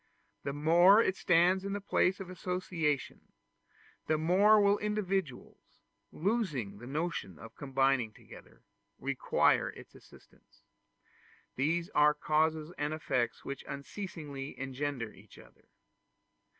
The more it stands in the place of associations, the more will individuals, losing the notion of combining together, require its assistance: these are causes and effects which unceasingly engender each other.